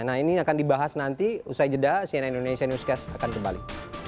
nah ini akan dibahas nanti usai jeda cnn indonesia newscast akan kembali